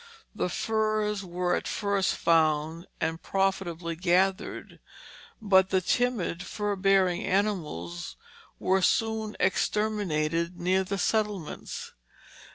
The furs were at first found and profitably gathered, but the timid fur bearing animals were soon exterminated near the settlements.